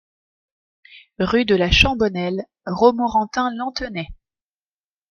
Rue de la Chambonnelle, Romorantin-Lanthenay